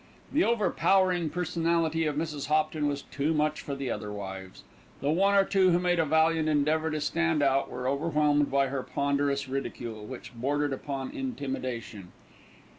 The overpowering personality of Mrs. Hopton was too much for the other wives. The one or two who made a valiant endeavour to stand out were overwhelmed by her ponderous ridicule, which bordered upon intimidation.